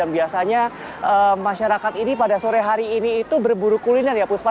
biasanya masyarakat ini pada sore hari ini itu berburu kuliner ya puspa